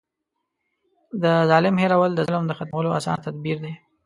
د ظالم هېرول د ظلم د ختمولو اسانه تدبير دی.